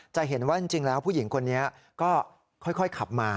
จะเห็นว่าจริงแล้วผู้หญิงคนนี้ก็ค่อยขับมา